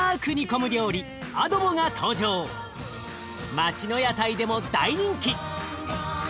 街の屋台でも大人気！